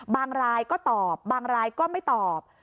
บางรายก็ตอบบางรายก็ไม่ตอบ